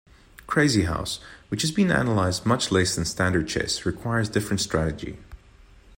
Crazyhouse, which has been analysed much less than standard chess, requires different strategy.